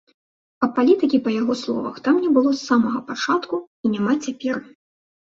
А палітыкі, па яго словах там не было з самага пачатку і няма цяпер.